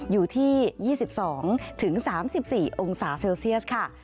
อยู่ที่๒๒๓๔องศาเซลเซียสค่ะ